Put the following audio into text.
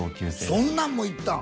そんなんも行ったん？